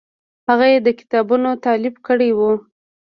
هغه یې د کتابونو تالیف کړی و.